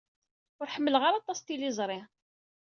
Ur ḥemmleɣ ara aṭas tiliẓri.